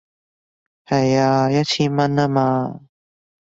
係啊，一千蚊吖嘛